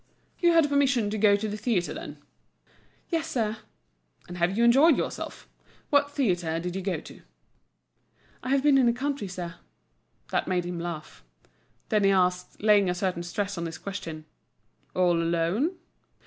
"You had permission to go to the theatre, then?" "Yes, sir." "And have you enjoyed yourself? What theatre did you go to?" "I have been in the country, sir." That made him laugh. Then he asked, laying a certain stress on his question: "All alone?"